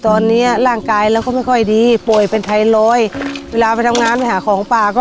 ตอนนี้ร่างกายเราก็ไม่ค่อยดีป่วยเป็นไทรอยด์เวลาไปทำงานไปหาของป่าก็